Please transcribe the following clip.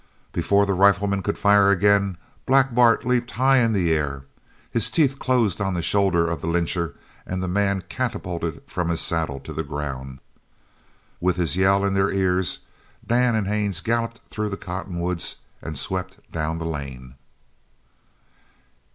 Before the rifleman could fire again Black Bart leaped high in the air. His teeth closed on the shoulder of the lyncher and the man catapulted from his saddle to the ground. With his yell in their ears, Dan and Haines galloped through the cottonwoods, and swept down the lane.